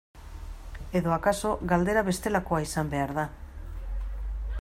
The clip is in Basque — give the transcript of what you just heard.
Edo akaso galdera bestelakoa izan behar da.